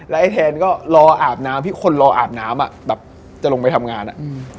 ไอ้แทนก็รออาบน้ำที่คนรออาบน้ำอ่ะแบบจะลงไปทำงานอ่ะอืม